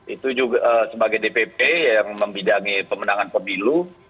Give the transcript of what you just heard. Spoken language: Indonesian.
itu juga sebagai dpp yang membidangi pemenangan pemilu